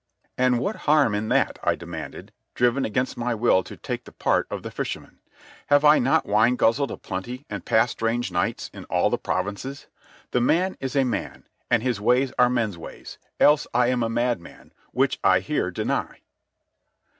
"And what harm in that?" I demanded, driven against my will to take the part of the fisherman. "Have I not wine guzzled a plenty and passed strange nights in all the provinces? The man is a man, and his ways are men's ways, else am I a madman, which I here deny."